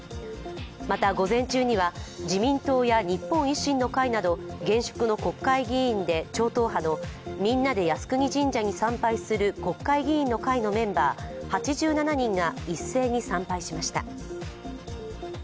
また、午前中には自民党や日本維新の会など現職の国会議員で超党派のみんなで靖国神社に参拝する国会議員の会のメンバー８７人が一斉に参拝しました。